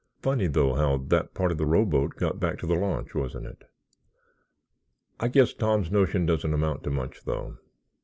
Funny though, how that part of the rowboat got back to the launch, wasn't it? I guess Tom's notion doesn't amount to much, though.